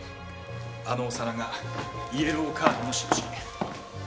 あのお皿がイエローカードの印。